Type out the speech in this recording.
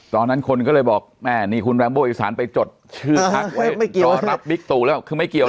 ตอนนั้นคนก็เลยบอกแม่นี่คุณแรมโบอีสานไปจดชื่อพักไว้รอรับบิ๊กตู่แล้วคือไม่เกี่ยว